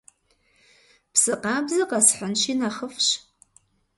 Псы къабзэ къэсхьынщи нэхъыфӀщ.